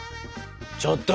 ちょっと！